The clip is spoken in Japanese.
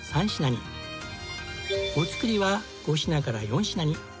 お造りは５品から４品に。